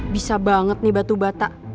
bisa banget nih batu bata